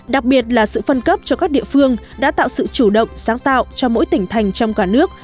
đặc biệt là sự phân cấp cho các địa phương đã tạo sự chủ động sáng tạo cho mỗi tỉnh thành trong cả nước